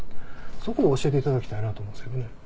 そこを教えていただきたいなと思うんですけどね。